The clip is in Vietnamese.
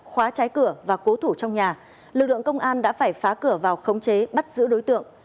khóa trái cửa và cố thủ trong nhà lực lượng công an đã phải phá cửa vào khống chế bắt giữ đối tượng